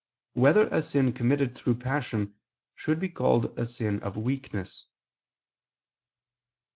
3] Whether a Sin Committed Through Passion, Should Be Called a Sin of Weakness?